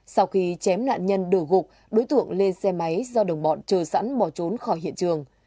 sau khi chém nạn nhân đổ gục đối tượng lên xe máy do đồng bọn chờ sẵn bỏ trốn khỏi hiện trường